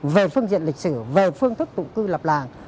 về phương diện lịch sử về phương thức tụng cư lập làng